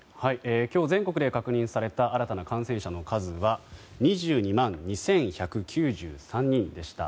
今日、全国で確認された新たな感染者の数は２２万２１９３人でした。